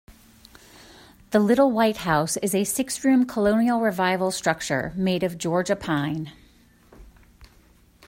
The Little White House is a six-room Colonial Revival structure made of Georgia pine.